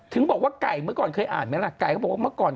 ถึงบอกว่าไก่เมื่อก่อนเคยอ่านไหมล่ะไก่เขาบอกว่าเมื่อก่อน